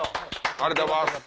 ありがとうございます。